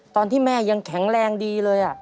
ตอนที่แม่ยังแข็งแรงดีเลย